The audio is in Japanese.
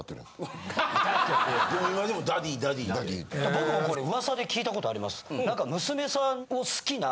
僕もこれ噂で聞いたことあります。